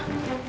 kak kak kak